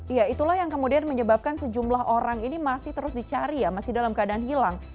iya itulah yang kemudian menyebabkan sejumlah orang ini masih terus dicari ya masih dalam keadaan hilang